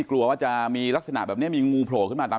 ป้าอันนาบอกว่าตอนนี้ยังขวัญเสียค่ะไม่พร้อมจะให้ข้อมูลอะไรกับนักข่าวนะคะ